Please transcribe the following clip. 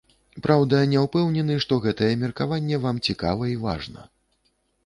Праўда, не ўпэўнены, што гэтае меркаванне вам цікава і важна.